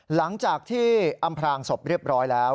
หลังจากที่อำพลางศพเรียบร้อยแล้ว